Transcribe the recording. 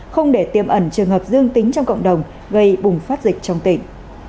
không để tiêm ẩn trường hợp dương tính trong cộng đồng gây bùng phát dịch trong tỉnh